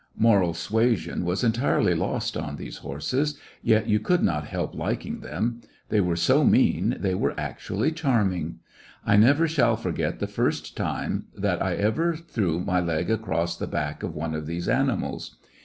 Moral suasion was entirely lost on those horseSj yet you could not help liking them j they were so mean they were actually charm ing ! I never shall forget the first time that m Ij^issionarY in t^e Great West ever I threw my leg across the back of one of these animals.